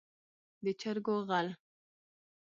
د چرګو غل.